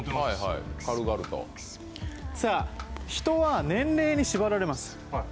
人は年齢に縛られます。